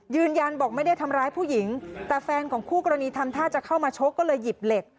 ยืนยันบอกไม่ได้ทำร้ายผู้หญิงแต่แฟนของคู่กรณีทำท่าจะเข้ามาชกก็เลยหยิบเหล็ก